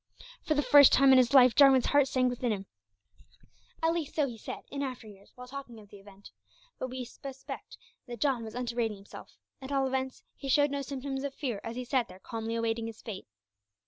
For the first time in his life Jarwin's heart sank within him at least so he said in after years while talking of the event but we suspect that John was underrating himself. At all events, he showed no symptoms of fear as he sat there calmly awaiting his fate.